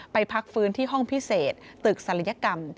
พักฟื้นที่ห้องพิเศษตึกศัลยกรรม